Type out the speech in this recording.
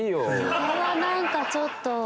それはなんかちょっと。